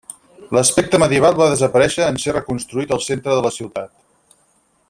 L'aspecte medieval va desaparèixer en ser reconstruït el centre de la ciutat.